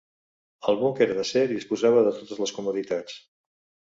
El buc era d'acer i disposava de totes les comoditats.